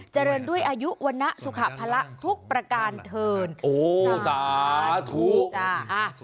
เจริญด้วยอายุวนะสุขภาระทุกประการเถินสาธุ